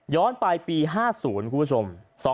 ย้อนไปปี๕๐คุณผู้ชม